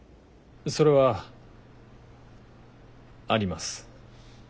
それはあります。